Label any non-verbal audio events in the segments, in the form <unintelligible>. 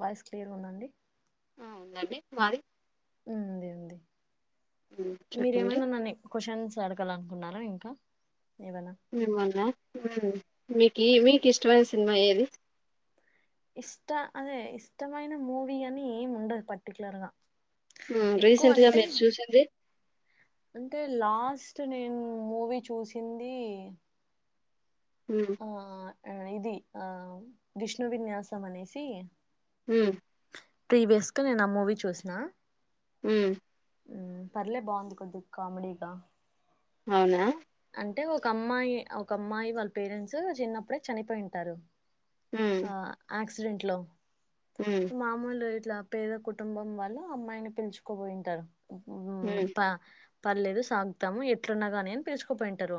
Voice clear ఉందండి ఆ ఉందండి మది ఉంది ఉంది మ్ చెప్పండి మీరేమైనా నన్ని క్యూస్షన్స్ అడగల కున్నారా ఇంకా ఏవైనా మిమల్ని మీకు మీకు ఇష్టమైన సినిమా ఏది ఇష్ట అదే ఇష్టమైన మూవి అని ఏం ఉండదు పర్టికులర్గా హ్మ్, రీసెంట్గా మీరు చూసింది అంటే, లాస్ట్ నేను మూవీ చూసింది. హ్మ్ ఆ ఇది ఆ- విష్ణు విన్యాసం అనేసి, హ్మ్ ప్రీవియస్క నేను ఆ మూవీ చూస్న హ్మ్ హ్మ్ పర్లే బాగుంది కొద్ది కామెడీగా, అవునా, అంటే ఒక అమ్మాయి, ఆ ఒక అమ్మాయి వాళ్ళ పేరెంట్స్ చిన్నప్పుడే చనిపోయింటారు. మ్ ఆ అక్స్ క్సిడెంట్లో, మ్ మామూలు ఇట్లా పేద కుటుంబం వాళ్ళూ అమ్మాయిని పిలుచుకోబోయింటారు. హ్మ్ మ్ ప పర్లేదు సాగుతాము, ఎట్లున్నా గాని అని పిలుచకోకపోయింటారు.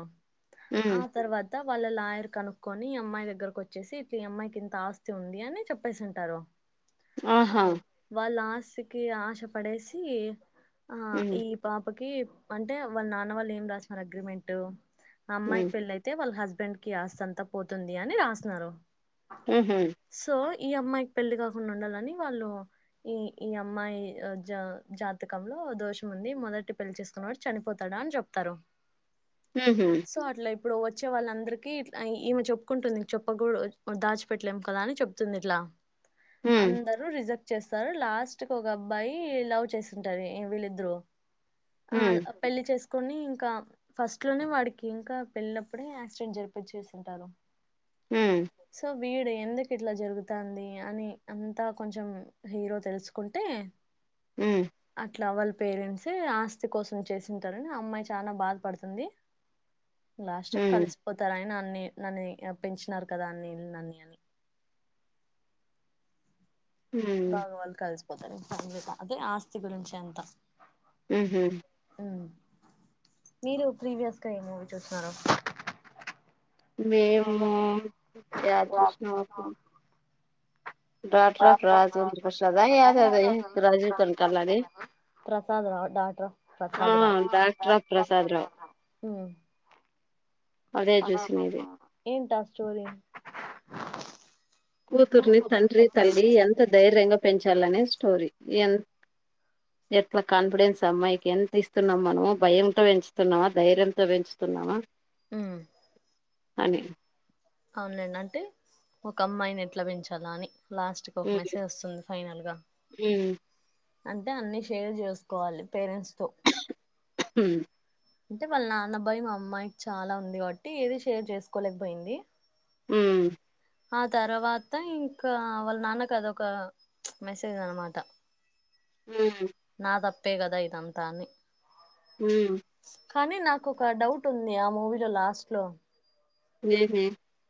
మ్ ఆ తరువాత త వాళ్ళ లాయర్ కనుక్కొని అమ్మాయి దగ్గరకు వచ్చేసి, ఈ అమ్మాయికి ఇంత ఆస్తి ఉంది అని చెప్పేసి ఉంటారు. ఆహా ఆహ వాళ్ళ ఆస్తి సిక్కి ఆశ పడేసి, ఆహ మ్ ఈ పా అప్పకి అంటే వాళ్ళ నాన్న వాళ్ళు ఏం రా రాసినారు అగ్రిమెంట్ ఆ మ్ అమ్మాయికి పెళ్లయితే వాళ్ళ హస్బె బెండ్ కి ఆస్తంతా పోతుంది అని రాస్తున్నారు. ఉహుమ్ ఈ అమ్మాయికి పెళ్లి కాకుండా ఉండాలని వాళ్ళు, ఈ ఈ అమ్మాయి జ జాతకంలో దోషం ఉంది మొదటి పెళ్లి చేసుకున్నవాడు చనిపోతాడు అని చెప్తారు. మ్ హు సో అట్లా ఇప్పుడు వచ్చే వాళ్ళందరికీ ఇట్ల ఈ ఈమె చెప్పుకుంటుంది. చేప్పగూడ దాచిపెట్లేం కదా అని చెప్తుంది ఇట్లా, మ్ అందరు రిజెక్ట్ చేస్తారు లాస్ట్ ఒక అబ్బాయి లవ్ చేసింటారు వీళ్ళిద్దరు మ్ ఆ పెళ్లి చేసుకో కొన్ని ఇంకా ఫస్ట్ లోనే వాడికి ఇంకా పెళ్ళప్పుడే యాక్సిడెంట్ జరిపిచ్చెసుంటారు హ్మ్ సో వీడు ఎందుకు ఇట్లా జరుగుతాంది అని అంతా కొంచెం హీరో తెలుసుకుంటే మ్ మ్ అట్లా వాళ్ పేరెంట్సే ఆస్తి కోసం చేసుంటారని అమ్మాయి చాలన బాధ పడుతుంది లాస్ట్ మ్ కలిసిపోతారైనా నే నన్నే అప్పించినారు కదా అని నన్నయ బాగా వాళ్ళు కలిస్ అదే ఆస్తి గురించి అంత ఊహు మీరు ప్రీవియస్ గా ఏ మూవీ చూస్తున్నారు మేము యాదృష్ణువు డాక్టర్ అఫ్ రాజేంద్ర ప్రసాదా ఏది అది Rajiv Kanakala the Prasad Rao doctor of Prasad Rao ఊ డాక్టర్ ఆఫ్ ప్రసాద్ రావు ఉ అదే చేస్తున్న ఏం టాస్క్ చోరీ కూతుర్నీ తండ్రి తల్లి ఎంత ధైర్యంగా పెంచ్ వల్లనే స్టోరీ ఎన్ ఎట్లా కాన్ఫిడెన్స్ అమ్మాయికి ఎంత ఇస్తున్నామ్ మనము భయంతో పెంచుతున్నామా ధైర్యంతో పెంచుతున్నామ ఉ అని అవునండి అంటే ఒక అమ్మాయిని ఎట్లా పెంచాలా అని లాస్ట్ కు ఒక ఉమ్ మెసేజ్ వస్తుంది ఫైనల్గా ఉమ్ అంటే అన్నీ షేర్ చేసుకోవాలి పేరెంట్స్ హు అంటే వాళ్ళ నాన్న భయం అమ్మాయి చాలా ఉంది కాబట్టి ఏది షేర్ చేసుకోలేకపోయింది ఊ ఆ తర్వాత ఇంక వాళ్ళ నాన్న అదొక మెసేజ్ అనమాట ఉమ్ నా తప్ అంటే కదా ఇదంతా అని ఉమ్, కానీ నాకు ఒక డౌట్ ఉంది ఆ మూవీలో లాస్ట్లో ఏమి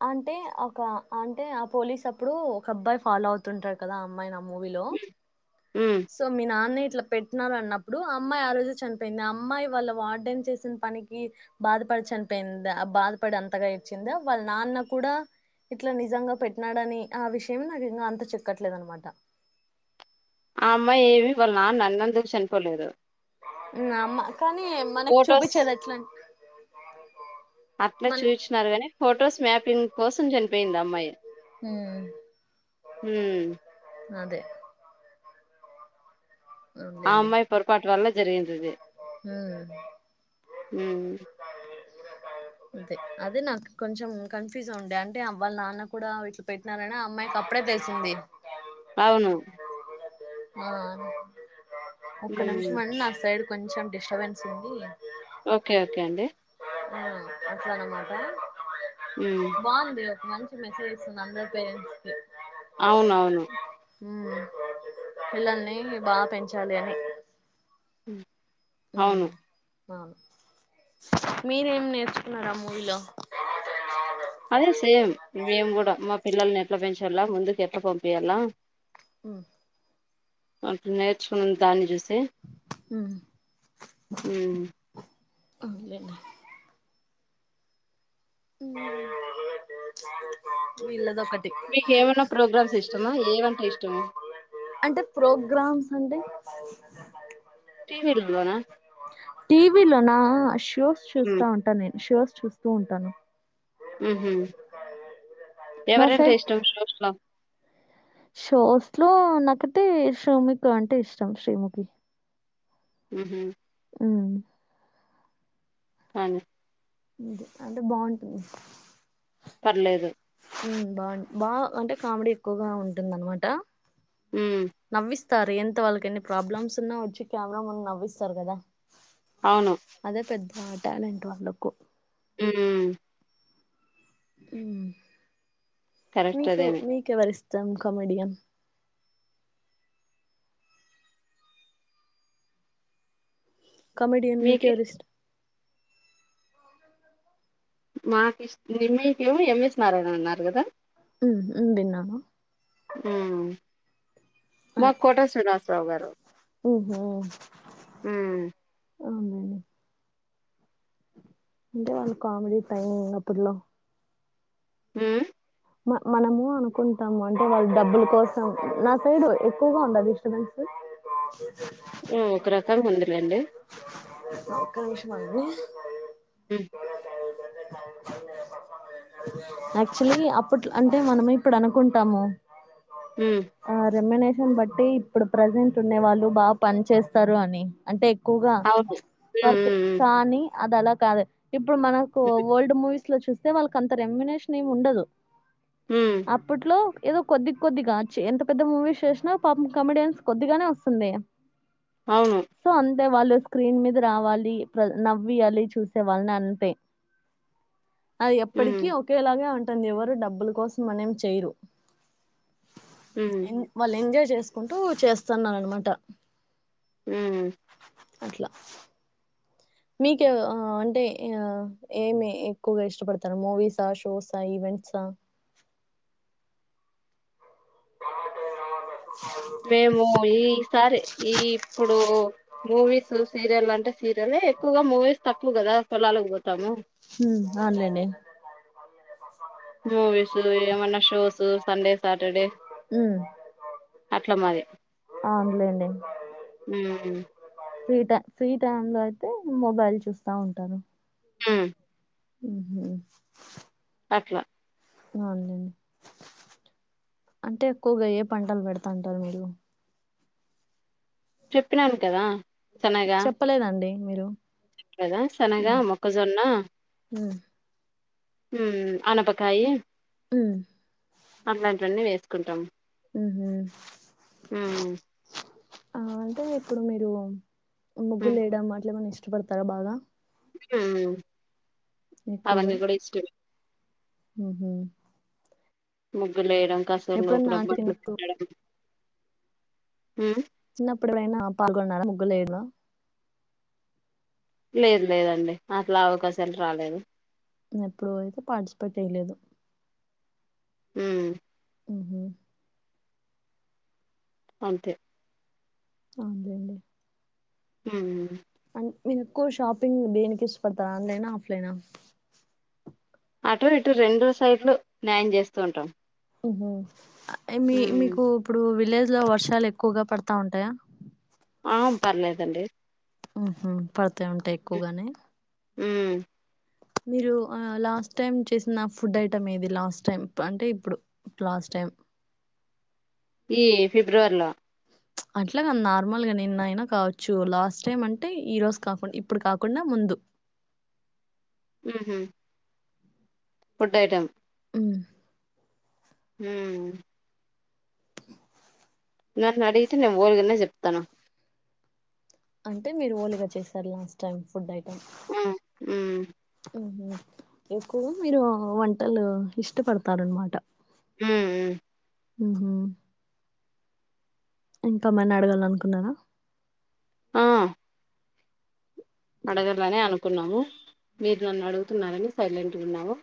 అంటే ఒక అంటే ఆ పోలీస్ అప్పుడు ఒక అబ్బాయి ఫాలో అవుతుంటారు కదా ఆ అమ్మాయిని అ మూవిలో ఉమ్ సో మీ నాన్న ఇట్లా పెట్టినార అన్నప్పుడు అమ్మాయి ఆ రోజు చనిపోయింది అమ్మాయి వాళ్ళ వార్డెన్ చేసిన పనికి బాధపడి చనిపోయిందా ఆ బాధపడి అంతగా ఎడ్చిందా వాళ్ళ నాన్న కూడా ఇట్ల నిజంగా పెట్టినాడని ఆ విషయం నాకు ఇంకా అంతు చిక్కట్లేదనమాట ఆ అమ్మాయి ఏమి వాళ్ల నాన్నను అన్నందుకు చనిపోలేదు నామ్మ కానీ మనకు ఫొటోస్ చూపించేది ఎట్లా అం అట్లా చూయించినారు గానీ ఫొటోస్ మ్యాప్ పిన్ కోసం చనిపోయిందా అమ్మాయి ఉమ్, ఉమ్ అదే ఆమ్మాయి పొపాటు వల్ల జరిందే హ హ అదే అదే నాకు కొంచెం కన్ఫ్యూజ్ ఉండే అంటే అ వాళ నాన్న కూడా వీట్లు పెట్టినారనే అమ్మాయికి అప్పుడే తెసింది అవును ఆ ఒకక్క ఉమ్ నిమిషం మ కొంచెం డిస్టర్బెన్స్ ఉంది ఓకే ఓకే అండి ఆ అసనమాట ఉమ్ బందంది అప్పను మెసేజ్ అందేరెంట్స్ అవునవును ఉ పిల్లల్ని బాగా పెంచాలి అని ఉమ్ అవును అవును మీరేం నేర్చుకున్నారా మూవీలో అదే సేమ్ మేము కూడా మా పిల్లల్ని ఎట్లా పెంచాల ముందుకు ఎట్లా పంపయాల అ అట్ నేర్చుకున్న దాన్ని చూసి హ అ ఇలేన ఇదా ప మీకు ఏమన్నా ప్రోగ్రామ్స్ ఇష్టమా ఏమంటే ఇష్టమా అంటే ప్రోగ్రామ్స్ అంటే వెనా టీవలో నా షూస్ చూస్తా ఉమ్, ఉంటా నేను షూ చూస్తూ ఉంటాను ఆహమ్ నా ఎవరంట సైడ్ ఇష్టం చూ షోస్ లో నాకతే షోముక్ అంటే ఇష్టం శ్రీముఖి ఉహ అవు అా అ అంటే బాగుంటుంది పర్లేదు బాగు బాగా అంటే కామెడీ ఎక్కువగా ఉంటుంద అనమాట ఉమ్ నవి తార్ ఎంత వాళ్ళకి ఎన్ని ప్రాబ్లమ్స్ ఉన్నా వచ్చి కెమెరా మన్న నవ్విస్తారు కదా అవును అదే పెద్ద మాటలాంటి వాళ్ళకు హామ్ హం కరెక్ట్ మీకు అదేమి మీకెవరిస్ సమ్ కమమెడియన్ కమెడియన్ మీకే మీకెవరిష్టం మాకిష్ నిమయ్ కేమో ఎంఎస్ నారాయణ అన్నారు కదా హామ్ <unintelligible> తిన్నామా ఆ మాకు కోట <unintelligible> శున్నాస బావ గారు ఓహో హం అంటే వాళ్ళ కామెడి టైమ్ అప్పుడ్లో హ మనము అనుకుంటాము అంటే వాళ్ళ డబ్బుల కోసం నా సైడ్ ఎక్కువగా ఉందా డిస్టబెన్స్ హామ్ ఒక రకంగా ఉందిలేండి ఒక నిమిషం ఆగండి హ యాక్చుయల్లీ ఇప్పుట్ అంటే మనము ఇప్పుడు అనుకుంటాము ఉమ్ ఆ రెమునేష బట్టి ఇప్పుడు ప్రజెంట్ ఉండే వాళ్ళు బాగా పని చేేస్తారు అని అంటే తక్కుగా అవును. <unintelligible> వర్క హ్మ్. కానీ అది అలా కాదు ఇప్పుడు మనకు హ్మ్. హ్మ్. ఓల్డ్ మూవీస్ లో చూస్తే వాళ్ళకి అంత రెమునేషన్ ఏమి ఉండదు హ్మ్. అప్పట్లో ఏదో కొద్దిగ కొద్దిగ చ్చి ఎంత పెద్ద మూవీస్ చేసినా పాపం కమెడియన్స్కి కొద్దిగానే వస్తుంది అవును తె వాళ్ళు స్క్రీన్ మీద రావాలి ప్ర నవ్వియాలి చూసే వాళ్ళని అంతే అది హ్మ్. ఎప్పటికి ఒకే లాగా ఉంట <unintelligible> ధయవాద డబ్బుల కోసం మనేం చేయరు హ్మ్. <unintelligible> వాళ్ళంగ చేసుకుంటూ చేస్తున్నారనమాట ఉమ్ అట్ల మీకు ఆ అంటే ఆ ఏమి ఎక్కువగ ఇష్టపడతారు మూవీసా షోసా ఈవెంట్సా మేము ఈ సారి ఈ ఇప్పుడూ మూవీస్ స్ సీరియల్ అంటె సీరియలే ఎక్కువగా మూవీస్ తక్కువ గదా పోలాలకి పోతాము హ్మ ఆన్లైనే మూవీసు ఏమన్న షోసూ సండే సాటర్డే ఉమ్ ఆ ఉందిలేండి హ్మ్. ఫ్రీ టైమ్ లో అయితే మొబైల్ చూస్తా ఉంటాను హ్మ ఊహు అట్లా అవునండి అంటే ఎక్కువగ ఏ పంటలు పెడతాంటరు మీరు చెప్పినాను కదా శనగ చెప్పలేదండీ మీరు కదా శనగా ఉమ్, మొక్కజొన్నా ఉమ్, హ్మ్మ్ అనపకాయి ఉమ్, అట్లాంటి వన్నీ వేస్త్ కుంటాం ఉహు ఆ అంటే ఇప్పుడు మీరూ హ్మ్. ముగ్గులేయడం అట్ల ఏమన్న ఇష్ట ఇష్టపడతారా బాగా ఉమ్ అవన్నీ గూడ ఇష్టమే హ్మహు ముగ్గులేయ డం కాస్త ఊర్ లో అంటే బొబ్బట్లు చిన్నప్పుడు తినడం హ్మ చిన్నప్పుడు ఎప్పుడైనా పాల్గొన్నార ముగ్గులేయడం లేదు లేదండి అట్లా అవకాశాలు రాలేదు ఎప్పుడూ అయితే పార్టిసిపేట్ చేయలేదు ఉమ్ హ్మ్హు అంతే అవున్ లేండీ ఊ మింనీకు షాపింగ్ దేనికి ఇష్టపడతారు ఆన్లైనా ఆఫ్లైనా అటు ఇటు రెండు సైట్లు న్యాయం చేస్తూ ఉంటాం ఉ హు మీ ఉమ్ మీకు ఇప్పుడు విలేజ్ లో వర్షాలు ఎక్కువగా పడతా ఉంటాయా ఆ పర్లేదండి ఉహ పడతా ఉంటాయి ఎక్కువగానే మ్మ్ మీరు ఆ లాస్ట్ టైమ్ చేసిన ఫుడ్ ఐటమ్ ఏది లాస్ట్ టైం అంటే ఇప్పుడు లాస్ట్ టైం ఈ ఫిబ్రవరిలో అట్లా గా నార్మల్గా నిన్న అయినా కావచ్చు లాస్ట్ టైం అంటే ఈ రోజు కాకుండా ఇప్పుడు కాకుండా ముందు. మ్మ్ హు ఫుడ్ ఐటం. మ్మ్ మ్మ్ హు నన్ను అడిగితే నేను పోలేదనే చెప్తాను అంటే మీరు ఓలుగా చేసారు లాస్ట్ టైమ్ ఫుడ్ ఐటమ్. ఆ ఉమ్ హుమ్ ఎక్కువ మీరు వంటలు ఇష్టపడతారునమాట. ఉమ్మ్ మ్మ్ ఉ హు ఇంకా ఏమైనా అడగాలనుకున్నారా. ఆ అడగర్లనే అను కున్నాం మీరు నన్ను అడుగుతున్నారని సైలెంట్ ఉన్నావు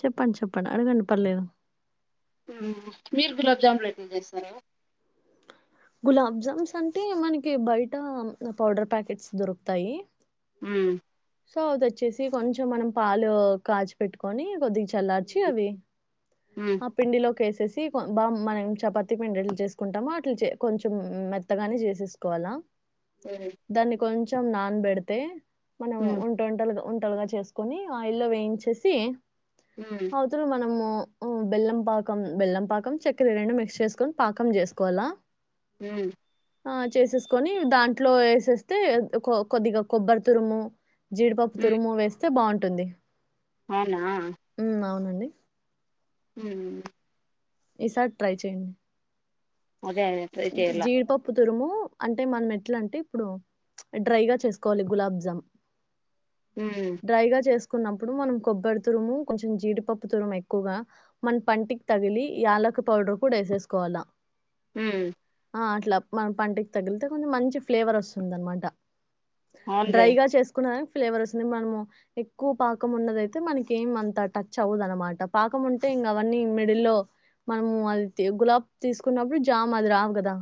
చెప్పండి చెప్పండి అడగండి పర్లేదు మీరు గులాబ్ జాము రేకులు చేస్తారా. గులాబ్ జామ్స్ అంటే మనకి బయట పౌడర్ ప్యాకెట్స్ దొరుకుతాయి. ఉమ్మ్ సో అదిచ్చేసి కొంచెం మనం పాలు కాచిపెట్టుకొని కొద్దిగా చల్లార్చి అవి ఉమ్ ఆ పిండిలో. చేసేసి బా మనం చపాతి పిండి ఎట్ల చేసుకుంటాము అట్లు చే కొంచెం మెత్తగానే చేసేసుకోవాలా ఉమ్ దాన్ని కొంచ్ చెం నాన్ బెడితే మనం ఉమ్. ఉంట టుండలుగా ఉన్ లుగా చేసుకొని ఆయిల్లో వేయించేసి హ్మ్ అవుతులు మనము బెల్లం పాకం బెల్లం పాకం చక్కెర రెండు మిక్స్ చేసుకొని పాకం చేసుకోవాలా హ్మ్ ఆ చేసేసుకొని దాంట్లో వేసేస్తే కొద్దిగా కొబ్బరి తురుము జీడిపప్పు హ్మ్. తురుము వేస్తే బాగుంట్ టుంది అవునా ది హుమ్ ఈసారి ట్రై చేయండి అదే అదే ట్రై చేయాలా జీడిపప్పు తురుము అంటే మనం ఎట్లా అంటే ఇప్పుడు డ్రైగా చేసుకోవాలి గులాబ్ జామ్ హ్మ్. డ్రైగా చెస్ కున్నప్పుడు మనం కొబ్బరి తురము కొంచెం జీడిపప్పు తురము ఎక్కువగా మన పంటికి తగిలి యాలకు పౌడర్ కూడా వేసేసుకోవాల ఉమ్ ఇట్లా మన పంటకి తగిలితే కొంచెం మంచి ఫ్లేవర్ వస్తుంది అనమాట అవునులే. డ్రైగా చేసుకున్నా ఫ్లేవర్ వస్తుంది మనము ఎక్కువ పాకము ఉన్నదయితే మనకి ఏం అంత టచ్ అవదు అనమాట పాకం ఉంటే ఇంకా అవన్నీ మిడిల్ లో మనము అది గులాబ్ తీసుకున్నప్పుడు చామ్ రావ కదా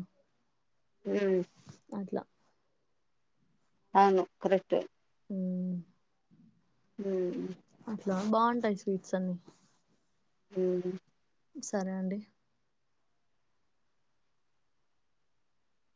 హమ్ అట్లా అవును కరెక్ట్ హ్మ్. ఉమ్ ఇట్లా బాగుంటాయి స్వీట్స్ అన్ని హల్లో సరే అండి